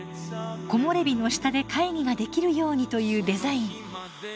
木漏れ日の下で会議ができるようにというデザイン。